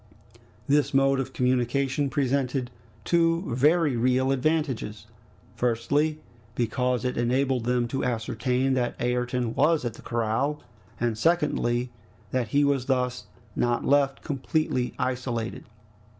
This mode of communication presented two very real advantages: firstly, because it enabled them to ascertain that Ayrton was at the corral; and secondly, that he was thus not left completely isolated.